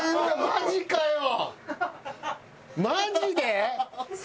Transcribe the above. マジで！？